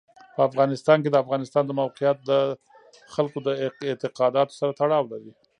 په افغانستان کې د افغانستان د موقعیت د خلکو د اعتقاداتو سره تړاو لري.